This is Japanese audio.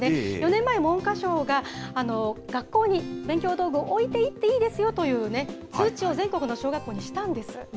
４年前、文科省が学校に勉強道具を置いていっていいですよというね、通知を全国の小学校にしたんです。